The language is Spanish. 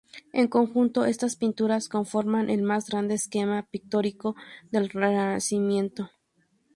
En conjunto, estas pinturas conforman el más grande esquema pictórico del Renacimiento.